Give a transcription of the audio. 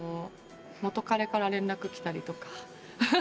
元カレから連絡来たりとか。